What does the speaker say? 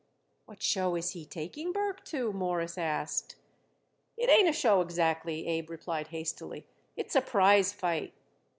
"What show is he taking Burke to?" Morris asked. "It ain't a show exactly," Abe replied hastily; "it's a prize fight."